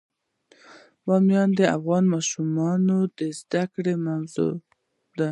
بامیان د افغان ماشومانو د زده کړې موضوع ده.